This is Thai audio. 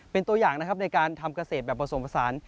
เป็นตัวอย่างนะครับในการทำเกษตรแบบผสมผสาน